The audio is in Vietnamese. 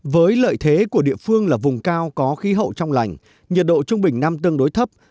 với lợi thế của địa phương là vùng cao có khí hậu trong lành nhiệt độ trung bình năm tương đối thấp